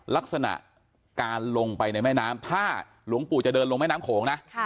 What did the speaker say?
ลักษณะการลงไปในแม่น้ำถ้าหลวงปู่จะเดินลงแม่น้ำโขงนะ